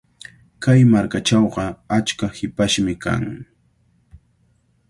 Kay markachawqa achka hipashmi kan.